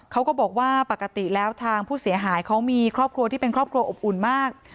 เขาก็บอกว่าปกติแล้วทางผู้เสียหายเขามีครอบครัวที่เป็นครอบครัวอบอุ่นมาก